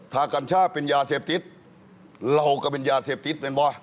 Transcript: ถ้ากัญชาเป็นยาเสพติดเราก็เป็นยาเสพติดเป็นบ่ะ